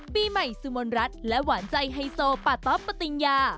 ปีใหม่สุมนรัฐและหวานใจไฮโซปะต๊อปปติญญา